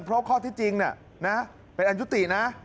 เพราะข้อที่จริงเป็นอันยุตินะ